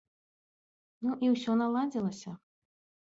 Ну і ўсё наладзілася.